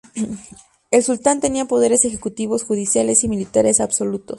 El sultán tenía poderes ejecutivos, judiciales y militares absolutos.